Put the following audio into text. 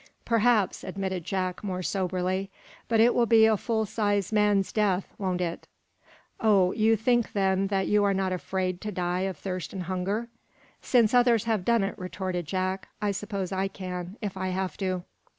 "Perhaps," admitted Jack, more soberly. "But it will be a full size man's death, won't it?" "Oh, you think, then, that you are not afraid to die of thirst and hunger?" "Since others have done it," retorted Jack, "I suppose I can, if I have to."